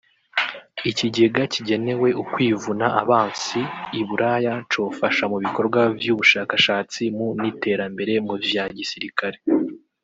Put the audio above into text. Ikigega kigenewe ukwivuna abansi I Buraya cofasha mu bikorwa vy’ubushakashatsi mu n’iterambere mu vya gisirikare